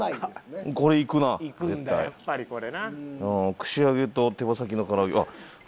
串揚げと手羽先の唐揚げ。